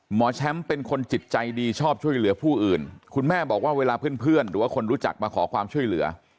หมอแชมป์เป็นคนจิตใจดีชอบช่วยเหลือผู้อื่นคุณแม่บอกว่าเวลาเพื่อนหรือว่าคนรู้จักมาขอความช่วยเหลือ